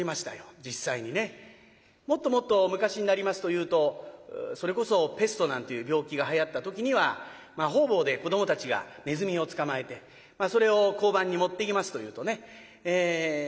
もっともっと昔になりますというとそれこそペストなんていう病気がはやった時には方々で子どもたちがネズミを捕まえてそれを交番に持っていきますというとね